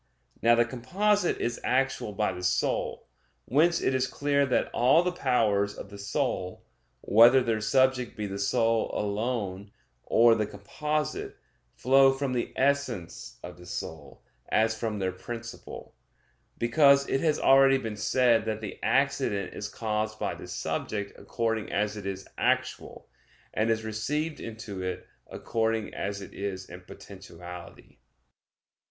Now the composite is actual by the soul. Whence it is clear that all the powers of the soul, whether their subject be the soul alone, or the composite, flow from the essence of the soul, as from their principle; because it has already been said that the accident is caused by the subject according as it is actual, and is received into it according as it is in potentiality.